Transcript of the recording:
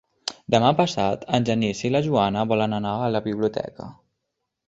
Demà passat en Genís i na Joana volen anar a la biblioteca.